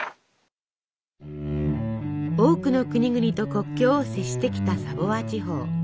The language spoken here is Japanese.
多くの国々と国境を接してきたサヴォワ地方。